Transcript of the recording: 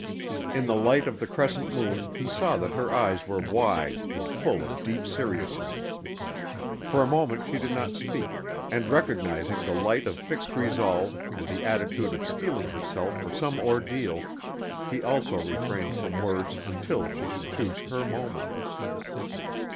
In the light of the crescent moon he saw that her eyes were wide and full of a deep seriousness. For a moment she did not speak and recognizing the light of fixed resolve and the attitude of steeling herself for some ordeal, he also refrained from words until she should choose her moment.